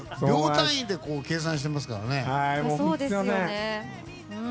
秒単位で計算してますからね。